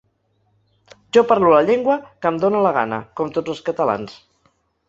Jo parlo la llengua que em dóna la gana, com tots els catalans.